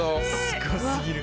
すごすぎる。